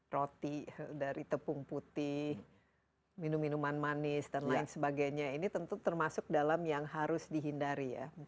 roti dari tepung putih minum minuman manis dan lain sebagainya ini tentu termasuk dalam yang harus dihindari ya